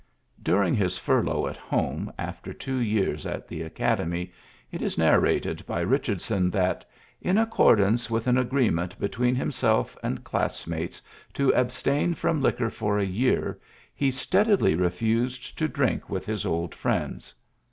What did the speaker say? During his furlough at home after two years at the Academy it is narrated by Bichardson that, " in accordance with an agreement between himself and class mates to abstain from liquor for a year, he steadily refused to drink with his old Mends.